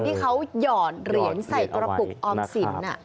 ที่เขาหยอดเหรียญใส่กระปุกออมสิน